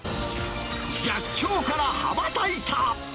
逆境から羽ばたいた。